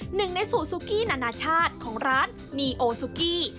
หนึ่งในสูตรซุกี้นานาชาติของร้านมีโอซุกี้